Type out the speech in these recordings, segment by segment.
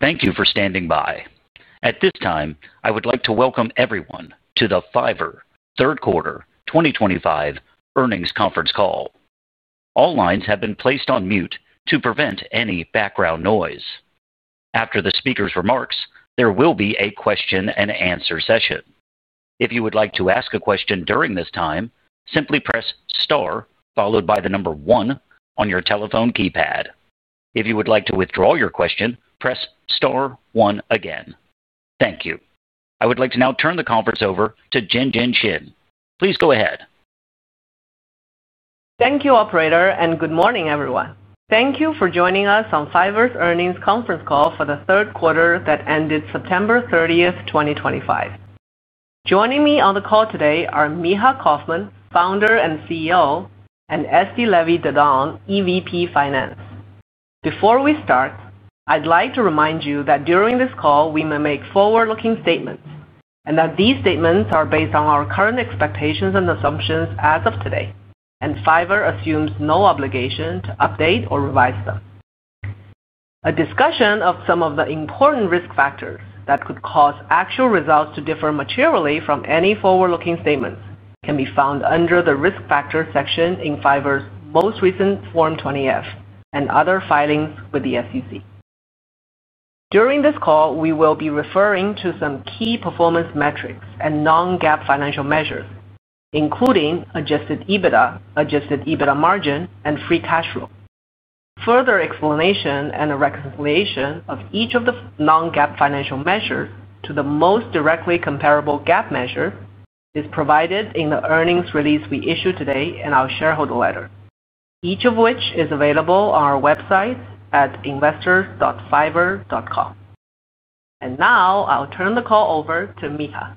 Thank you for standing by. At this time, I would like to welcome everyone to the Fiverr Q3 2025 earnings conference call. All lines have been placed on mute to prevent any background noise. After the speaker's remarks, there will be a question-and-answer session. If you would like to ask a question during this time, simply press star followed by the number one on your telephone keypad. If you would like to withdraw your question, press star one again. Thank you. I would like to now turn the conference over to Jinjin Qian. Please go ahead. Thank you, Operator, and good morning, everyone. Thank you for joining us on Fiverr's earnings conference call for the Q3 that ended September 30th, 2025. Joining me on the call today are Micha Kaufman, Founder and CEO, and Esti Levy Dadon, EVP Finance. Before we start, I'd like to remind you that during this call, we may make forward-looking statements, and that these statements are based on our current expectations and assumptions as of today, and Fiverr assumes no obligation to update or revise them. A discussion of some of the important risk factors that could cause actual results to differ materially from any forward-looking statements can be found under the risk factors section in Fiverr's most recent Form 20-F and other filings with the SEC. During this call, we will be referring to some key performance metrics and non-GAAP financial measures, including adjusted EBITDA, adjusted EBITDA margin, and free cash flow. Further explanation and reconciliation of each of the non-GAAP financial measures to the most directly comparable GAAP measure is provided in the earnings release we issued today in our shareholder letter, each of which is available on our website at investors.fiverr.com. Now, I'll turn the call over to Micha.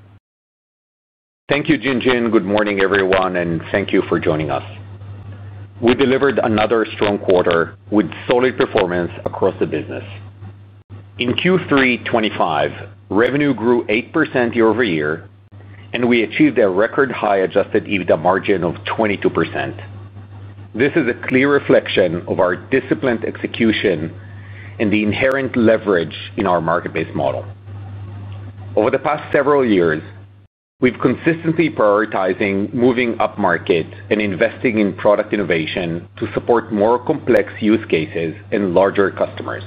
Thank you, Jinjin. Good morning, everyone, and thank you for joining us. We delivered another strong quarter with solid performance across the business. In Q3 2025, revenue grew 8% year-over-year, and we achieved a record high adjusted EBITDA margin of 22%. This is a clear reflection of our disciplined execution and the inherent leverage in our market-based model. Over the past several years, we've consistently prioritized moving up market and investing in product innovation to support more complex use cases and larger customers.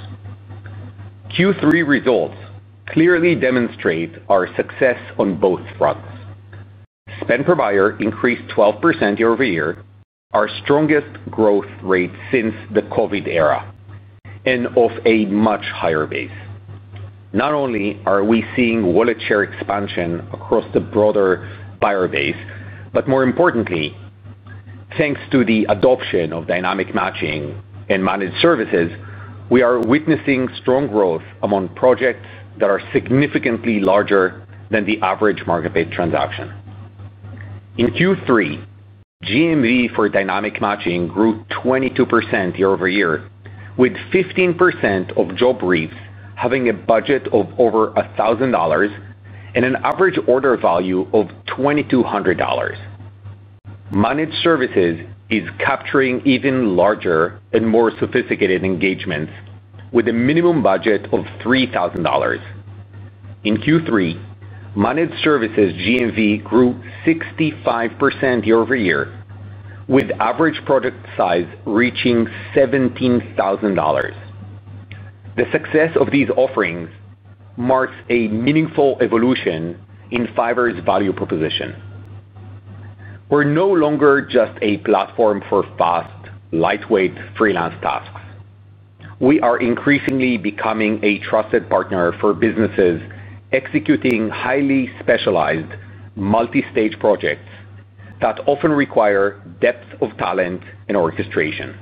Q3 2025 results clearly demonstrate our success on both fronts. Spend per buyer increased 12% year-over-year, our strongest growth rate since the COVID era, and off a much higher base. Not only are we seeing wallet share expansion across the broader buyer base, but more importantly. Thanks to the adoption of Dynamic Matching and Managed Services, we are witnessing strong growth among projects that are significantly larger than the average market-based transaction. In Q3, GMV for Dynamic Matching grew 22% year-over-year, with 15% of job briefs having a budget of over $1,000 and an average order value of $2,200. Managed Services is capturing even larger and more sophisticated engagements with a minimum budget of $3,000. In Q3, Managed Services GMV grew 65% year-over-year, with average product size reaching $17,000. The success of these offerings marks a meaningful evolution in Fiverr's value proposition. We're no longer just a platform for fast, lightweight freelance tasks. We are increasingly becoming a trusted partner for businesses executing highly specialized multi-stage projects that often require depth of talent and orchestration.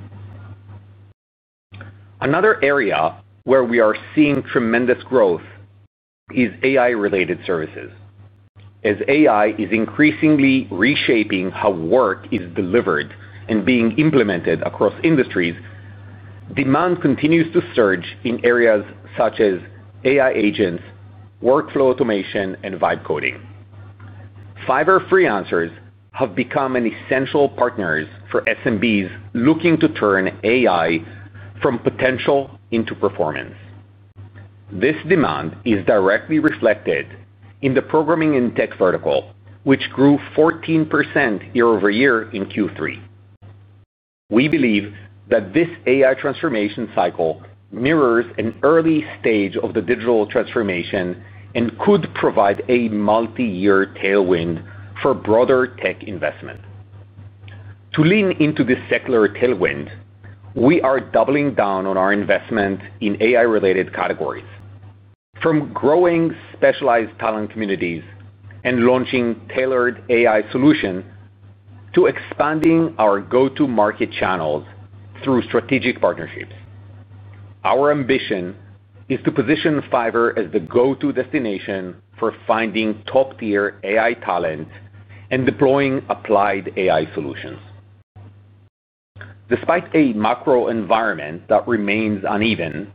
Another area where we are seeing tremendous growth is AI-related services. As AI is increasingly reshaping how work is delivered and being implemented across industries. Demand continues to surge in areas such as AI agents, workflow automation, and vibe coding. Fiverr freelancers have become essential partners for SMBs looking to turn AI from potential into performance. This demand is directly reflected in the Programming and Tech vertical, which grew 14% year-over-year in Q3. We believe that this AI transformation cycle mirrors an early stage of the digital transformation and could provide a multi-year tailwind for broader tech investment. To lean into this secular tailwind, we are doubling down on our investment in AI-related categories, from growing specialized talent communities and launching tailored AI solutions to expanding our go-to-market channels through strategic partnerships. Our ambition is to position Fiverr as the go-to destination for finding top-tier AI talent and deploying applied AI solutions. Despite a macro environment that remains uneven,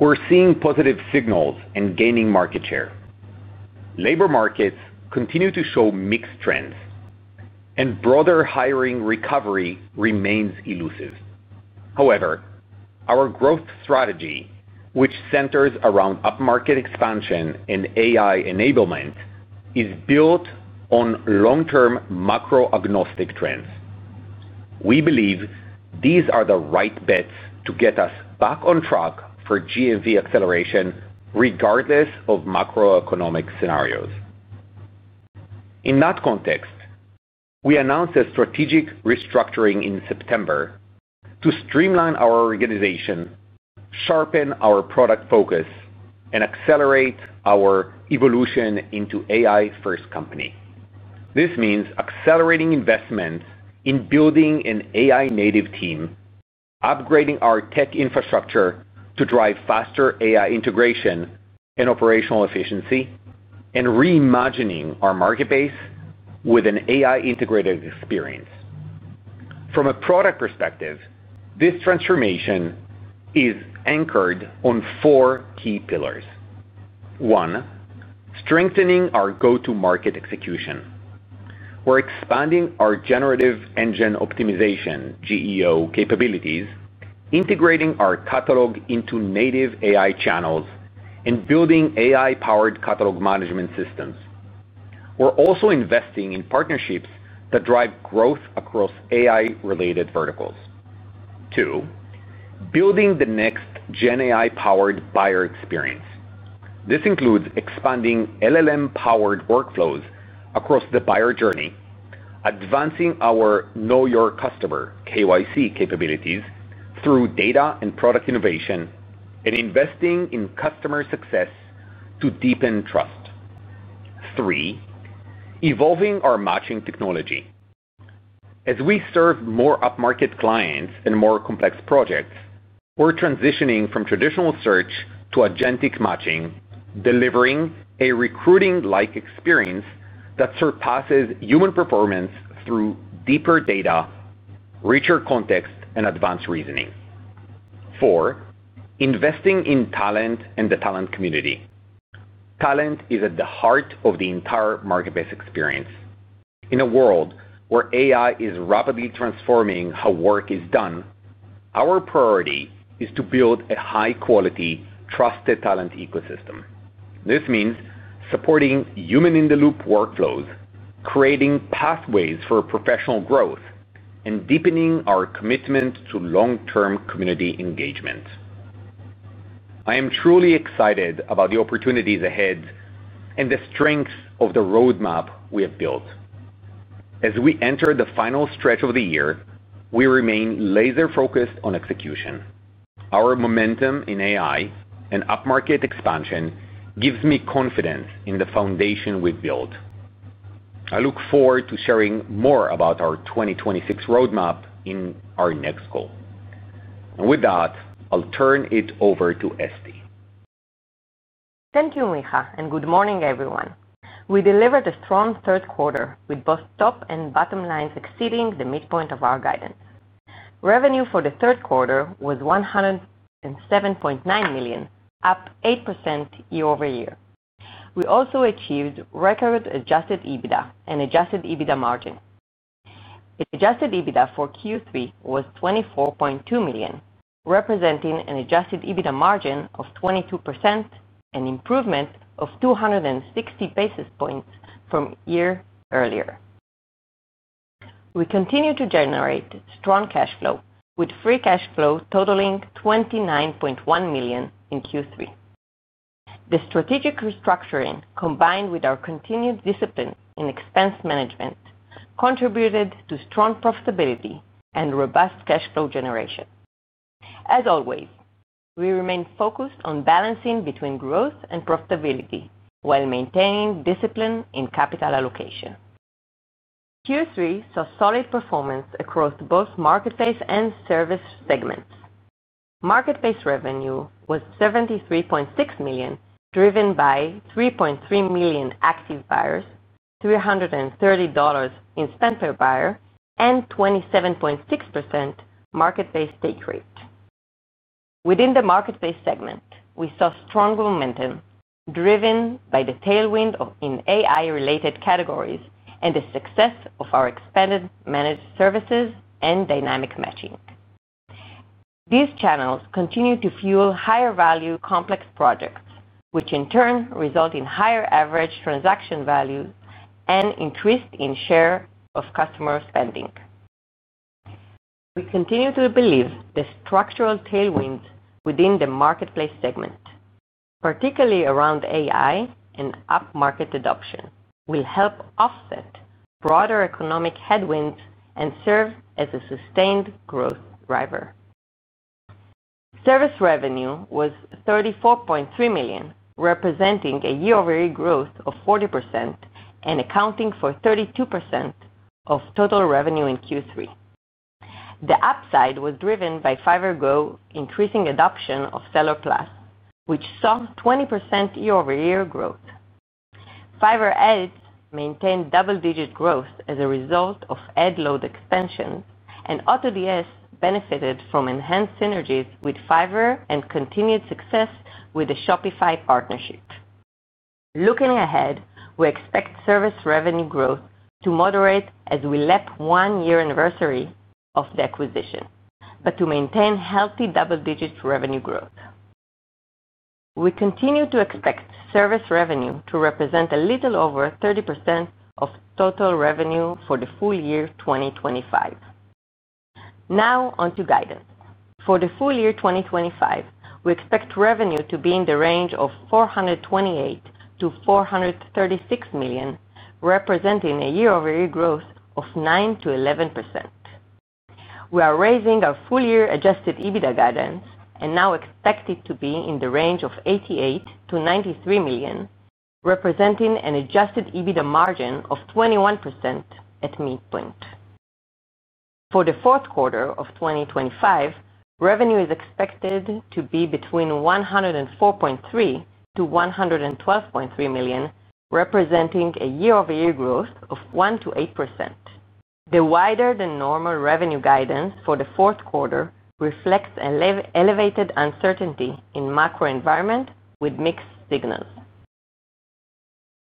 we're seeing positive signals and gaining market share. Labor markets continue to show mixed trends, and broader hiring recovery remains elusive. However, our growth strategy, which centers around up-market expansion and AI enablement, is built on long-term macro-agnostic trends. We believe these are the right bets to get us back on track for GMV acceleration, regardless of macroeconomic scenarios. In that context, we announced a strategic restructuring in September to streamline our organization, sharpen our product focus, and accelerate our evolution into an AI-first company. This means accelerating investment in building an AI-native team, upgrading our tech infrastructure to drive faster AI integration and operational efficiency, and reimagining our market base with an AI-integrated experience. From a product perspective, this transformation is anchored on four key pillars. One, strengthening our go-to-market execution. We're expanding our generative engine optimization (GEO) capabilities, integrating our catalog into native AI channels, and building AI-powered catalog management systems. We're also investing in partnerships that drive growth across AI-related verticals. Two, building the nex-gen AI-powered buyer experience. This includes expanding LLM-powered workflows across the buyer journey, advancing our know-your-customer (KYC) capabilities through data and product innovation, and investing in customer success to deepen trust. Three, evolving our matching technology. As we serve more up-market clients and more complex projects, we're transitioning from traditional search to agentic matching, delivering a recruiting-like experience that surpasses human performance through deeper data, richer context, and advanced reasoning. Four, investing in talent and the talent community. Talent is at the heart of the entire market-based experience. In a world where AI is rapidly transforming how work is done, our priority is to build a high-quality, trusted talent ecosystem. This means supporting human-in-the-loop workflows, creating pathways for professional growth, and deepening our commitment to long-term community engagement. I am truly excited about the opportunities ahead and the strengths of the roadmap we have built. As we enter the final stretch of the year, we remain laser-focused on execution. Our momentum in AI and up-market expansion gives me confidence in the foundation we've built. I look forward to sharing more about our 2026 roadmap in our next call. I'll turn it over to Esti. Thank you, Micha, and good morning, everyone. We delivered a strong Q3 with both top and bottom lines exceeding the midpoint of our guidance. Revenue for Q3 was $107.9 million, up 8% year-over-year. We also achieved record adjusted EBITDA and adjusted EBITDA margin. Adjusted EBITDA for Q3 was $24.2 million, representing an adjusted EBITDA margin of 22%, an improvement of 260 basis points from a year earlier. We continue to generate strong cash flow, with free cash flow totaling $29.1 million in Q3. The strategic restructuring, combined with our continued discipline in expense management, contributed to strong profitability and robust cash flow generation. As always, we remain focused on balancing between growth and profitability while maintaining discipline in capital allocation. Q3 saw solid performance across both Marketplace and Services segments. Marketplace revenue was $73.6 million, driven by 3.3 million active buyers, $330 in spend per buyer, and 27.6% marketplace take rate. Within the Marketplace segment, we saw strong momentum driven by the tailwind in AI-related categories and the success of our expanded Managed Services and Dynamic Matching. These channels continue to fuel higher-value complex projects, which in turn result in higher average transaction values and increased share of customer spending. We continue to believe the structural tailwinds within the Marketplace segment, particularly around AI and up-market adoption, will help offset broader economic headwinds and serve as a sustained growth driver. Services revenue was $34.3 million, representing a year-over-year growth of 40% and accounting for 32% of total revenue in Q3. The upside was driven by Fiverr Go increasing adoption of Seller Plus, which saw 20% year-over-year growth. Fiverr Ads maintained double-digit growth as a result of ad load expansion, and AutoDS benefited from enhanced synergies with Fiverr and continued success with the Shopify partnership. Looking ahead, we expect service revenue growth to moderate as we lap one year anniversary of the acquisition, but to maintain healthy double-digit revenue growth. We continue to expect service revenue to represent a little over 30% of total revenue for the full year 2025. Now, onto guidance. For the full year 2025, we expect revenue to be in the range of $428 million-$436 million, representing a year-over-year growth of 9%-11%. We are raising our full-year adjusted EBITDA guidance and now expect it to be in the range of $88 million-$93 million, representing an adjusted EBITDA margin of 21% at midpoint. For Q4 of 2025, revenue is expected to be between $104.3 million-$112.3 million, representing a year-over-year growth of 1%-8%. The wider-than-normal revenue guidance for Q4 reflects elevated uncertainty in the macro environment with mixed signals.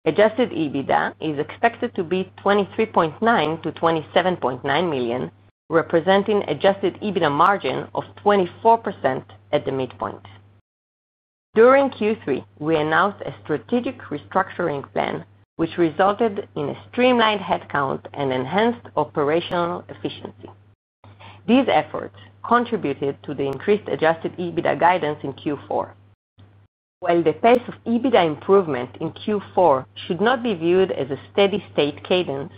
Adjusted EBITDA is expected to be $23.9 million-$27.9 million, representing an adjusted EBITDA margin of 24% at the midpoint. During Q3, we announced a strategic restructuring plan, which resulted in a streamlined headcount and enhanced operational efficiency. These efforts contributed to the increased adjusted EBITDA guidance in Q4. While the pace of EBITDA improvement in Q4 should not be viewed as a steady-state cadence,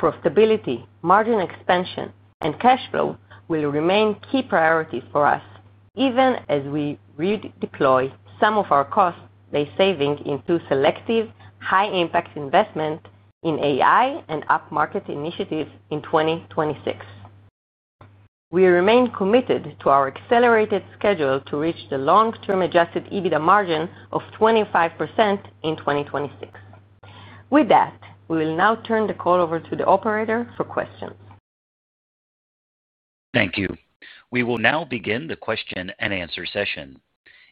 profitability, margin expansion, and cash flow will remain key priorities for us, even as we redeploy some of our cost-saving into selective, high-impact investment in AI and up-market initiatives in 2026. We remain committed to our accelerated schedule to reach the long-term adjusted EBITDA margin of 25% in 2026. With that, we will now turn the call over to the operator for questions. Thank you. We will now begin the question-and-answer session.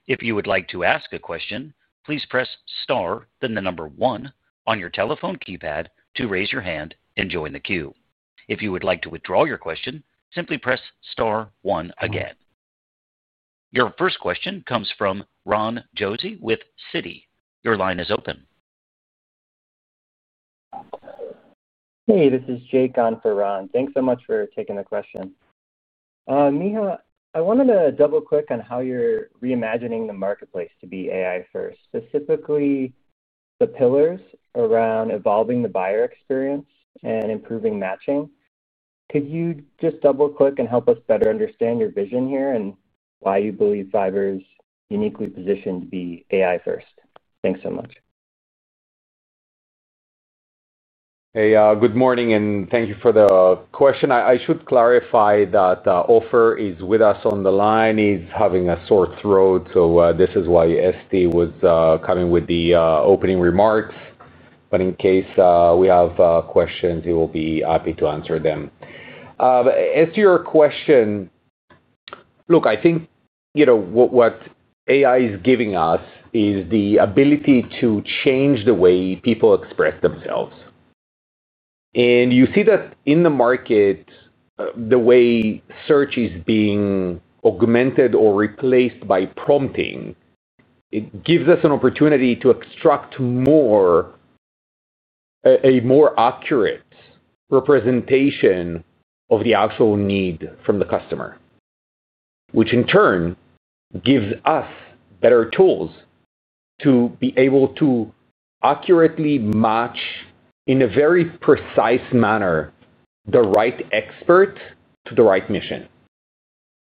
If you would like to ask a question, please press star then the number one on your telephone keypad to raise your hand and join the queue. If you would like to withdraw your question, simply press star one again. Your first question comes from Ron Josey with Citi. Your line is open. Hey, this is Jake on for Ron. Thanks so much for taking the question. Micha, I wanted to double-click on how you're reimagining the Marketplace to be AI-first, specifically. The pillars around evolving the buyer experience and improving matching. Could you just double-click and help us better understand your vision here and why you believe Fiverr is uniquely positioned to be AI-first? Thanks so much. Hey, good morning, and thank you for the question. I should clarify that Ofer is with us on the line. He's having a sore throat, so this is why Esti was coming with the opening remarks. In case we have questions, he will be happy to answer them. As to your question. Look, I think what AI is giving us is the ability to change the way people express themselves. You see that in the market. The way search is being augmented or replaced by prompting. It gives us an opportunity to extract more, a more accurate representation of the actual need from the customer, which in turn gives us better tools to be able to accurately match in a very precise manner the right expert to the right mission.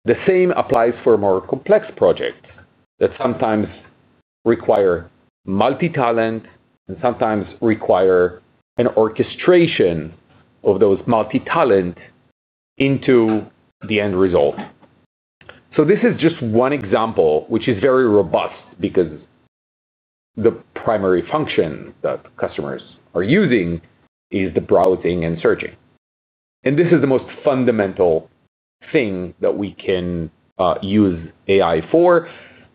The same applies for more complex projects that sometimes require multi-talent and sometimes require an orchestration of those multi-talent into the end result. This is just one example, which is very robust because the primary function that customers are using is the browsing and searching. This is the most fundamental thing that we can use AI for.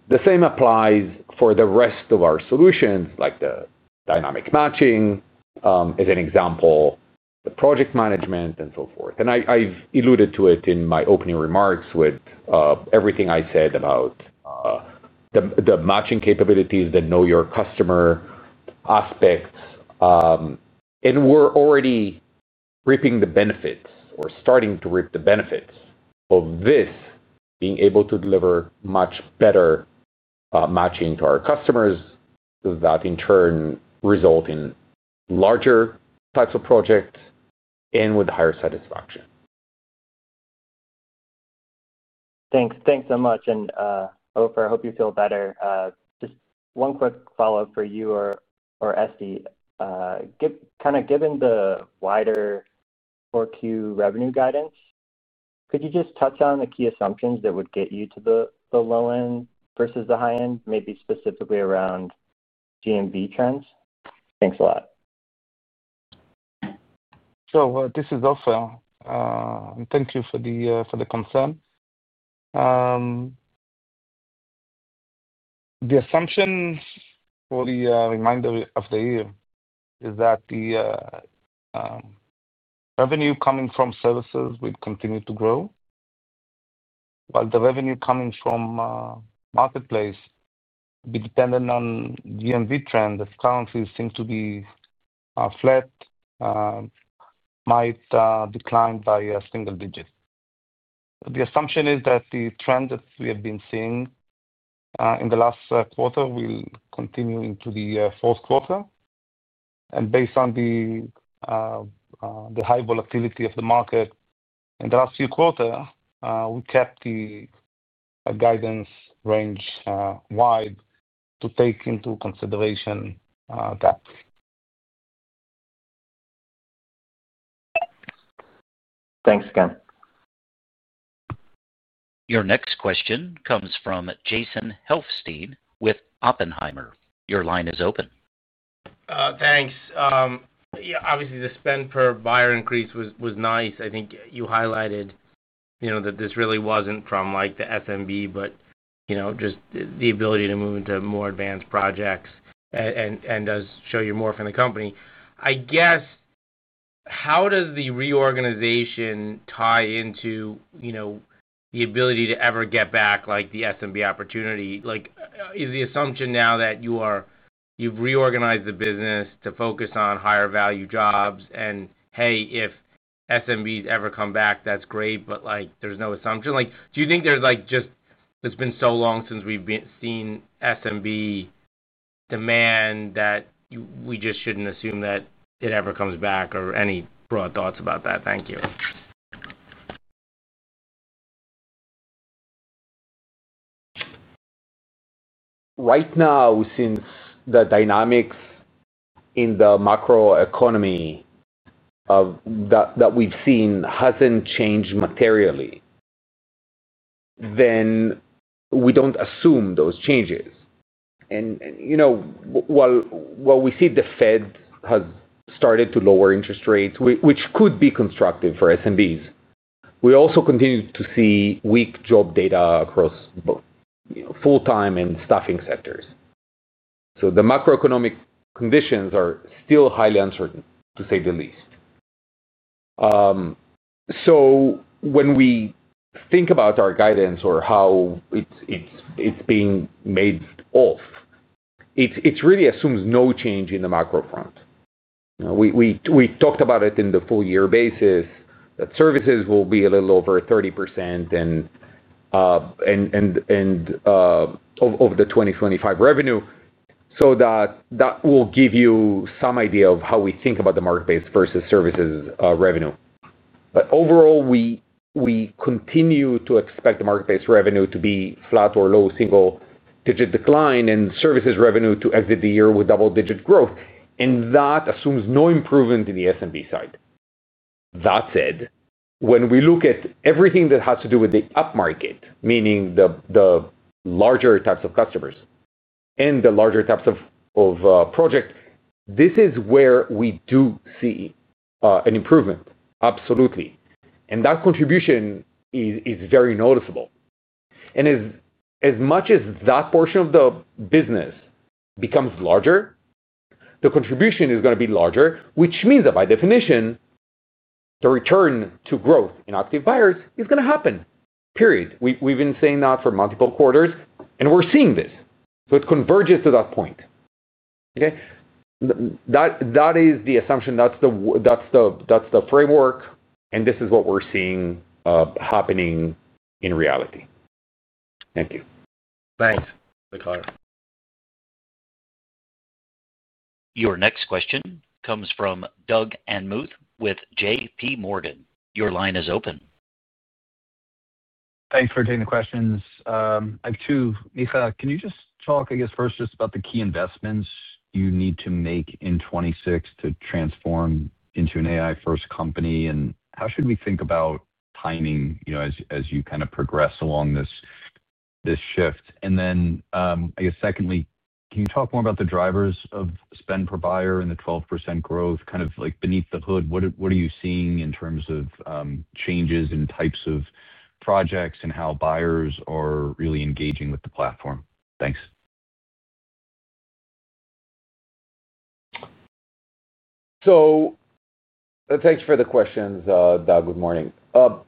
The same applies for the rest of our solutions, like the Dynamic Matching, as an example, the project management, and so forth. I have alluded to it in my opening remarks with everything I said about the matching capabilities, the know-your-customer aspects. We are already reaping the benefits or starting to reap the benefits of this, being able to deliver much better matching to our customers that in turn result in larger types of projects and with higher satisfaction. Thanks. Thanks so much. And Ofer, I hope you feel better. Just one quick follow-up for you or Esti. Kind of given the wider 4Q revenue guidance, could you just touch on the key assumptions that would get you to the low end versus the high end, maybe specifically around GMV trends? Thanks a lot. This is Ofer. Thank you for the concern. The assumption for the remainder of the year is that the revenue coming from services will continue to grow, while the revenue coming from Marketplace will be dependent on GMV trend, as currencies seem to be flat, might decline by a single digit. The assumption is that the trend that we have been seeing in the last quarter will continue into the fourth quarter. Based on the high volatility of the market in the last few quarters, we kept the guidance range wide to take into consideration that. Thanks again. Your next question comes from Jason Helfstein with Oppenheimer. Your line is open. Thanks. Yeah, obviously, the spend per buyer increase was nice. I think you highlighted that this really wasn't from the SMB, but just the ability to move into more advanced projects and does show you more from the company. I guess, how does the reorganization tie into the ability to ever get back the SMB opportunity? Is the assumption now that you've reorganized the business to focus on higher-value jobs and, "Hey, if SMBs ever come back, that's great, but there's no assumption"? Do you think there's just—it's been so long since we've seen SMB demand that we just shouldn't assume that it ever comes back or any broad thoughts about that? Thank you. Right now, since the dynamics in the macro economy that we've seen hasn't changed materially, then we don't assume those changes. While we see the Fed has started to lower interest rates, which could be constructive for SMBs, we also continue to see weak job data across full-time and staffing sectors. The macroeconomic conditions are still highly uncertain, to say the least. When we think about our guidance or how it's being made off, it really assumes no change in the macro front. We talked about it in the full-year basis, that services will be a little over 30% of the 2025 revenue, so that will give you some idea of how we think about the market-based versus services revenue. Overall, we continue to expect the market-based revenue to be flat or low single-digit decline and services revenue to exit the year with double-digit growth. That assumes no improvement in the SMB side. That said, when we look at everything that has to do with the up-market, meaning the larger types of customers and the larger types of projects, this is where we do see an improvement, absolutely. That contribution is very noticeable. As much as that portion of the business becomes larger, the contribution is going to be larger, which means that by definition the return to growth in active buyers is going to happen, period. We've been saying that for multiple quarters, and we're seeing this. It converges to that point. Okay? That is the assumption. That is the framework, and this is what we're seeing happening in reality. Thank you. Thanks, Micha. Your next question comes from Doug Anmuth with JPMorgan. Your line is open. Thanks for taking the questions. I have two. Micha, can you just talk, I guess, first, just about the key investments you need to make in 2026 to transform into an AI-first company? How should we think about timing as you kind of progress along this shift? I guess, secondly, can you talk more about the drivers of spend per buyer and the 12% growth kind of beneath the hood? What are you seeing in terms of changes in types of projects and how buyers are really engaging with the platform? Thanks. Thanks for the questions, Doug. Good morning. The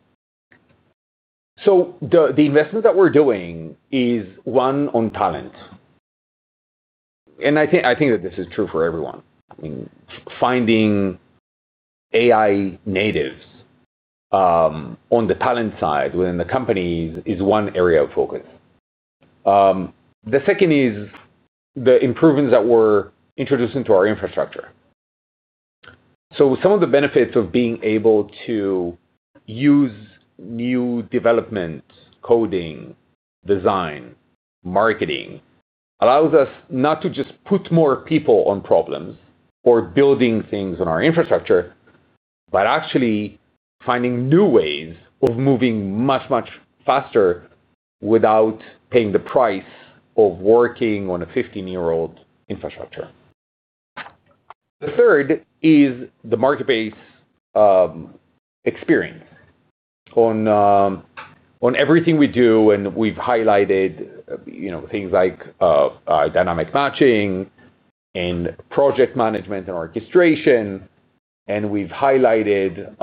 investment that we're doing is one on talent. I think that this is true for everyone. I mean, finding AI natives on the talent side within the companies is one area of focus. The second is the improvements that we're introducing to our infrastructure. Some of the benefits of being able to use new development, coding, design, marketing allows us not to just put more people on problems or building things on our infrastructure, but actually finding new ways of moving much, much faster without paying the price of working on a 15-year-old infrastructure. The third is the market-based experience. On everything we do, and we've highlighted things like Dynamic Matching and project management and orchestration. We've highlighted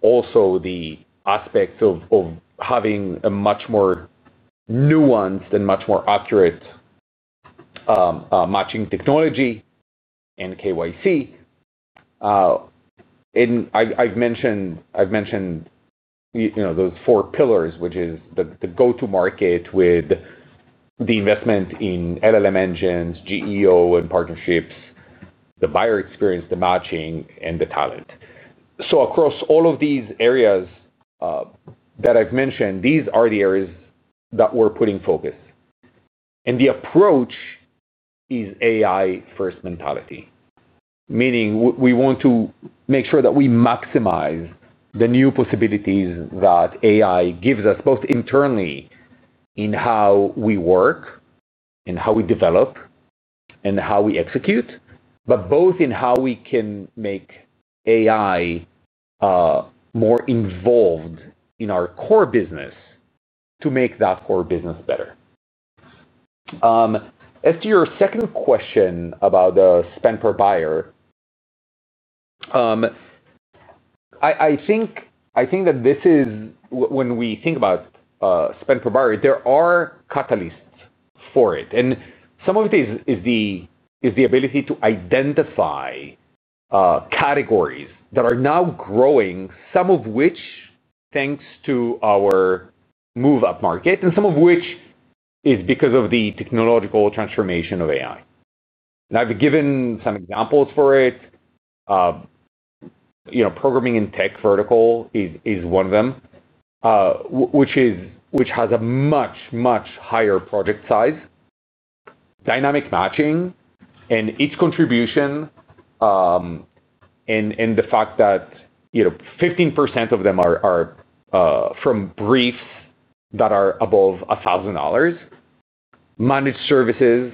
also the aspects of having a much more nuanced and much more accurate matching technology and KYC. I've mentioned those four pillars, which is the go-to market with the investment in LLM engines, GEO and partnerships, the buyer experience, the matching, and the talent. Across all of these areas that I've mentioned, these are the areas that we're putting focus. The approach is AI-first mentality, meaning we want to make sure that we maximize the new possibilities that AI gives us both internally in how we work and how we develop and how we execute, but both in how we can make AI more involved in our core business to make that core business better. As to your second question about the spend per buyer, I think that this is when we think about spend per buyer, there are catalysts for it. Some of it is the ability to identify categories that are now growing, some of which. Thanks to our move-up market, and some of which is because of the technological transformation of AI. I've given some examples for it. Programming and Tech vertical is one of them, which has a much, much higher project size. Dynamic Matching and its contribution. The fact that 15% of them are from briefs that are above $1,000. Managed Services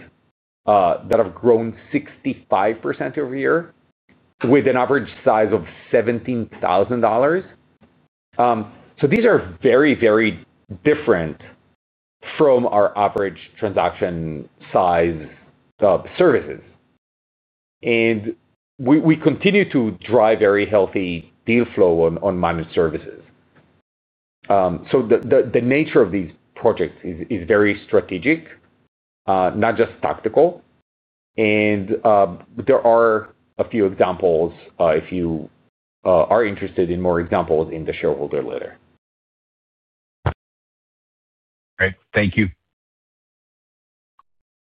that have grown 65% over a year with an average size of $17,000. These are very, very different from our average transaction size of services. We continue to drive very healthy deal flow on Managed Services. The nature of these projects is very strategic, not just tactical. There are a few examples if you are interested in more examples in the shareholder letter. Great. Thank you.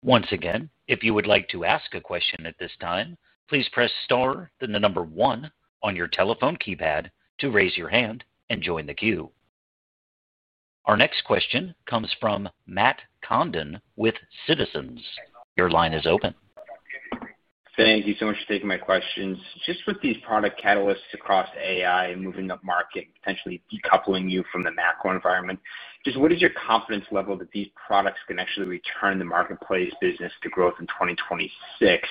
Once again, if you would like to ask a question at this time, please press star then the number one on your telephone keypad to raise your hand and join the queue. Our next question comes from Matt Condon with Citizens. Your line is open. Thank you so much for taking my questions. Just with these product catalysts across AI and moving up market, potentially decoupling you from the macro environment, just what is your confidence level that these products can actually return in the marketplace business to growth in 2026?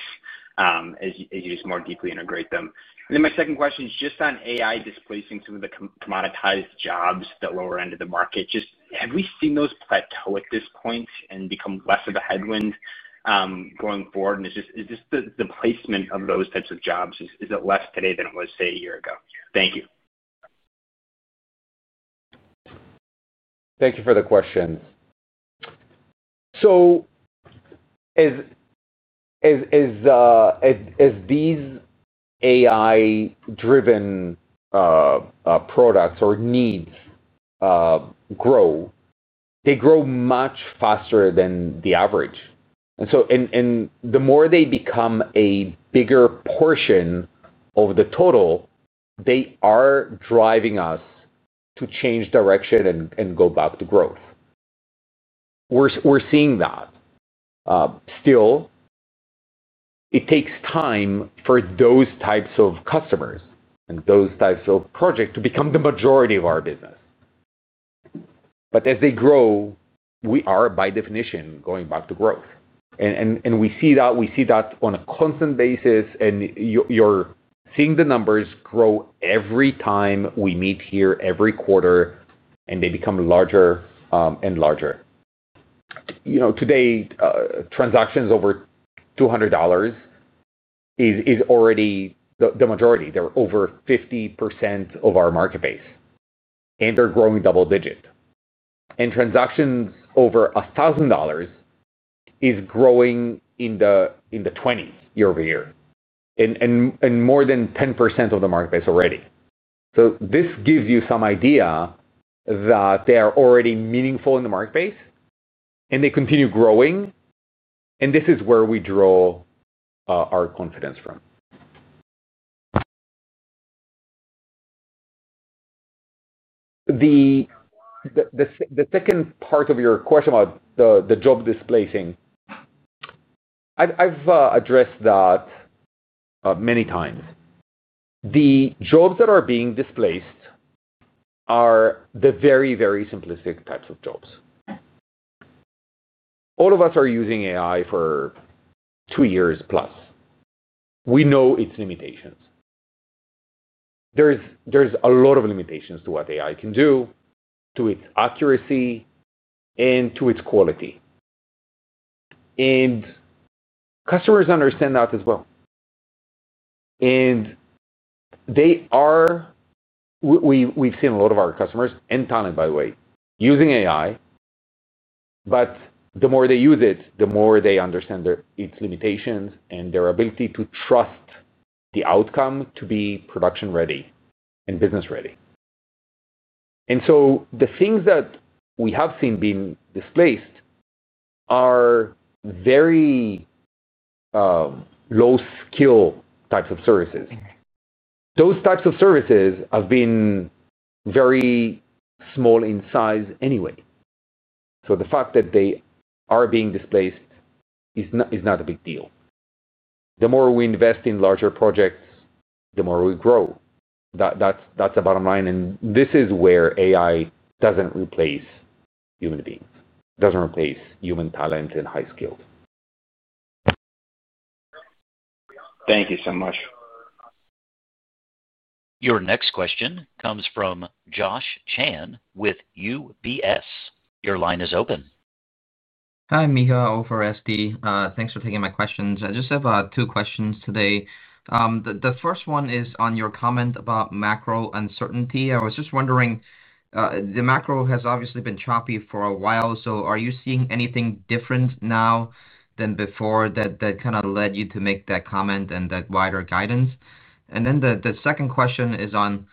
As you just more deeply integrate them? My second question is just on AI displacing some of the commoditized jobs at the lower end of the market. Just have we seen those plateau at this point and become less of a headwind going forward? Is just the placement of those types of jobs, is it less today than it was, say, a year ago? Thank you. Thank you for the question. As these AI-driven products or needs grow, they grow much faster than the average. The more they become a bigger portion of the total, they are driving us to change direction and go back to growth. We're seeing that. Still, it takes time for those types of customers and those types of projects to become the majority of our business. As they grow, we are, by definition, going back to growth. We see that on a constant basis, and you're seeing the numbers grow every time we meet here every quarter, and they become larger and larger. Today, transactions over $200 are already the majority. They're over 50% of our market base, and they're growing double-digit. Transactions over $1,000 are growing in the 20s year-over-year, and more than 10% of the market base already. This gives you some idea that they are already meaningful in the market base, and they continue growing. This is where we draw our confidence from. The second part of your question about the job displacing, I've addressed that many times. The jobs that are being displaced are the very, very simplistic types of jobs. All of us are using AI for two years plus. We know its limitations. There are a lot of limitations to what AI can do, to its accuracy, and to its quality. Customers understand that as well. We've seen a lot of our customers and talent, by the way, using AI. The more they use it, the more they understand its limitations and their ability to trust the outcome to be production-ready and business-ready. The things that we have seen being displaced are very low-skill types of services. Those types of services have been very small in size anyway. The fact that they are being displaced is not a big deal. The more we invest in larger projects, the more we grow. That's the bottom line. This is where AI doesn't replace human beings, doesn't replace human talent and high skill. Thank you so much. Your next question comes from Josh Chan with UBS. Your line is open. Hi, Micha, Ofer, Esti. Thanks for taking my questions. I just have two questions today. The first one is on your comment about macro uncertainty. I was just wondering. The macro has obviously been choppy for a while, so are you seeing anything different now than before that kind of led you to make that comment and that wider guidance? The second question is on.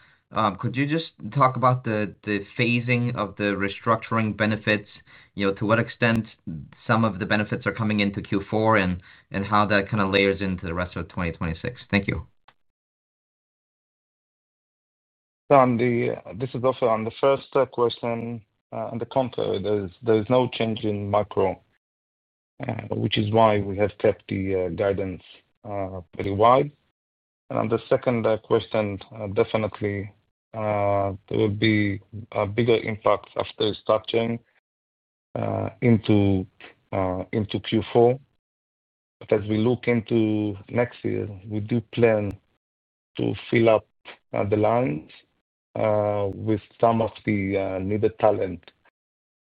Could you just talk about the phasing of the restructuring benefits, to what extent some of the benefits are coming into Q4, and how that kind of layers into the rest of 2026? Thank you. This is also on the first question. On the comp, there is no change in macro, which is why we have kept the guidance pretty wide. On the second question, definitely, there will be a bigger impact after structuring into Q4. As we look into next year, we do plan to fill up the lines with some of the needed talent,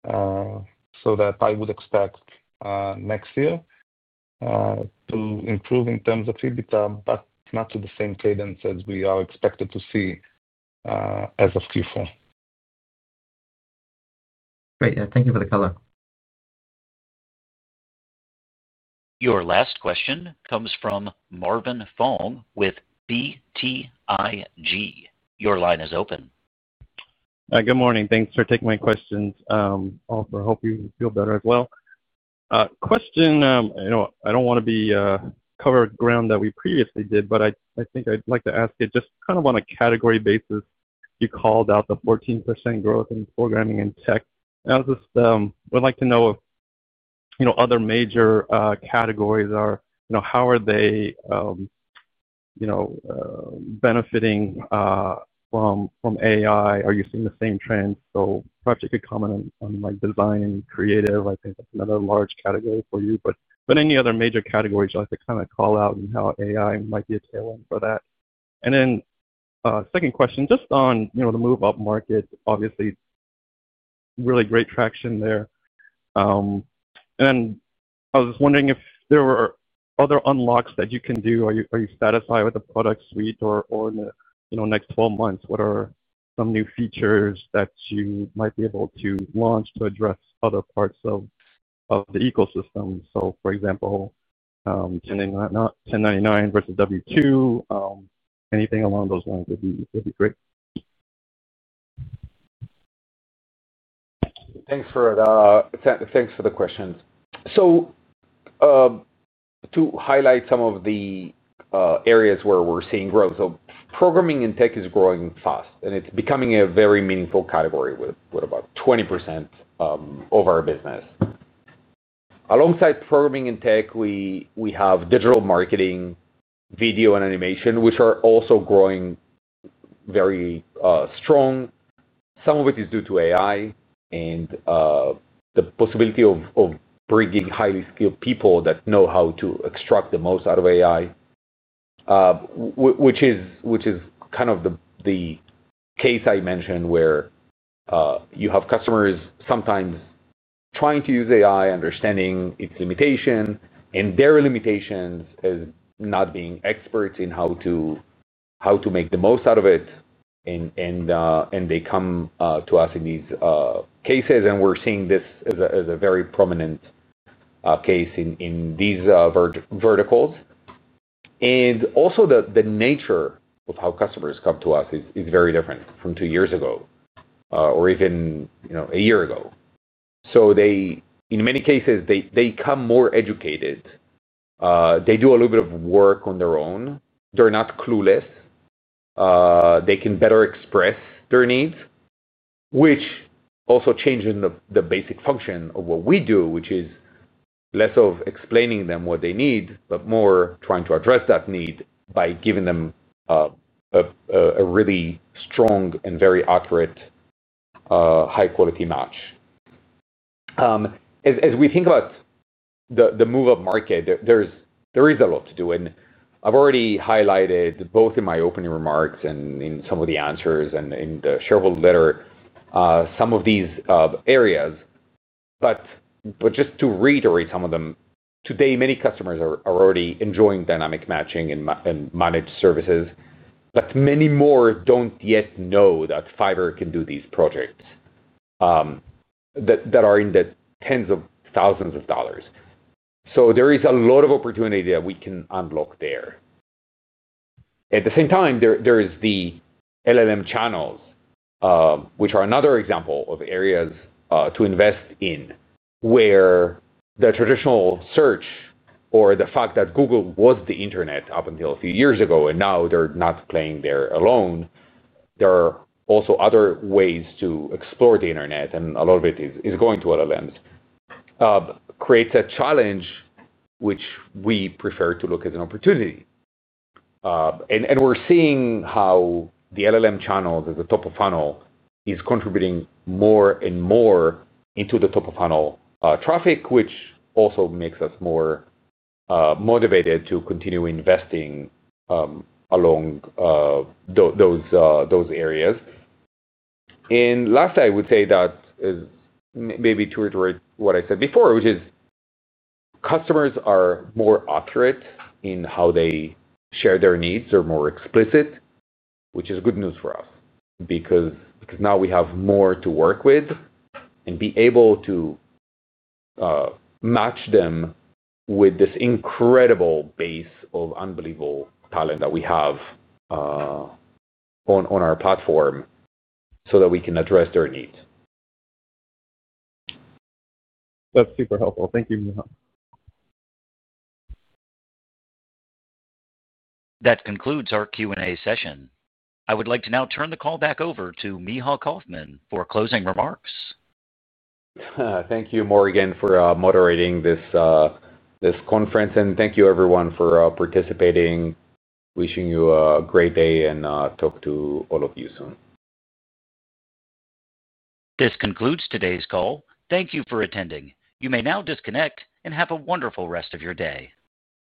so that I would expect next year to improve in terms of EBITDA, but not to the same cadence as we are expected to see as of Q4. Great. Yeah. Thank you for the color. Your last question comes from Marvin Fong with BTIG. Your line is open. Good morning. Thanks for taking my questions, Ofer; hope you feel better as well. Question. I don't want to be covering ground that we previously did, but I think I'd like to ask it just kind of on a category basis. You called out the 14% growth in Programming and Tech. I would like to know if other major categories are, how are they benefiting from AI? Are you seeing the same trends? Perhaps you could comment on design and creative. I think that's another large category for you. Any other major categories you'd like to kind of call out and how AI might be a tailwind for that? My second question, just on the move-up market, obviously. Really great traction there. I was just wondering if there were other unlocks that you can do. Are you satisfied with the product suite or in the next 12 months? What are some new features that you might be able to launch to address other parts of the ecosystem? For example, 1099 versus W-2. Anything along those lines would be great. Thanks for the questions. To highlight some of the areas where we're seeing growth, Programming and Tech is growing fast, and it's becoming a very meaningful category with about 20% of our business. Alongside Programming and Tech, we have digital marketing, video, and animation, which are also growing very strong. Some of it is due to AI and the possibility of bringing highly skilled people that know how to extract the most out of AI, which is kind of the case I mentioned where you have customers sometimes trying to use AI, understanding its limitations and their limitations as not being experts in how to make the most out of it. They come to us in these cases, and we're seeing this as a very prominent case in these verticals. Also, the nature of how customers come to us is very different from two years ago or even a year ago. In many cases, they come more educated. They do a little bit of work on their own. They're not clueless. They can better express their needs, which also changes the basic function of what we do, which is less of explaining to them what they need, but more trying to address that need by giving them a really strong and very accurate, high-quality match. As we think about the move-up market, there is a lot to do. I have already highlighted both in my opening remarks and in some of the answers and in the shareholder letter some of these areas. Just to reiterate some of them, today, many customers are already enjoying Dynamic Matching and Managed Services, but many more do not yet know that Fiverr can do these projects that are in the tens of thousands of dollars. There is a lot of opportunity that we can unlock there. At the same time, there is the LLM channels, which are another example of areas to invest in, where the traditional search or the fact that Google was the internet up until a few years ago, and now they are not playing there alone, there are also other ways to explore the internet. A lot of it is going to LLMs. It creates a challenge, which we prefer to look at as an opportunity. We're seeing how the LLM channels at the top of funnel are contributing more and more into the top of funnel traffic, which also makes us more motivated to continue investing along those areas. Last, I would say that is maybe to reiterate what I said before, which is customers are more accurate in how they share their needs. They're more explicit, which is good news for us because now we have more to work with and be able to match them with this incredible base of unbelievable talent that we have on our platform so that we can address their needs. That's super helpful. Thank you, Micha. That concludes our Q&A session. I would like to now turn the call back over to Micha Kaufman for closing remarks. Thank you, Morgan, for moderating this conference. Thank you, everyone, for participating. Wishing you a great day and talk to all of you soon. This concludes today's call. Thank you for attending. You may now disconnect and have a wonderful rest of your day.